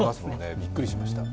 びっくりしました。